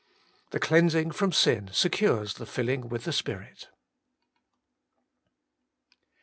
The cleansing from sin secures the filling with the Spirit.